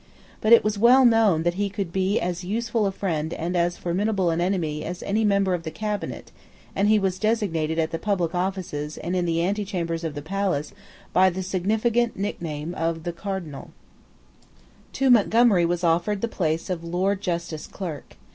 But it was well known that he could be as useful a friend and as formidable an enemy as any member of the cabinet; and he was designated at the public offices and in the antechambers of the palace by the significant nickname of the Cardinal, To Montgomery was offered the place of Lord Justice Clerk.